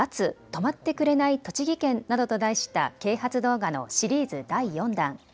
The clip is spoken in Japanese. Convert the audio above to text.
止まってくれない栃木県などと題した啓発動画のシリーズ第４弾。